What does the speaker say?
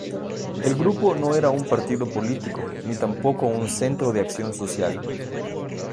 El Grupo no era un partido político, ni tampoco un centro de acción social.